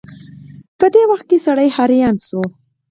په دې وخت کې سړی حيران شي.